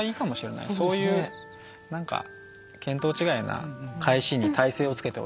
そういう見当違いな返しに耐性をつけておいて。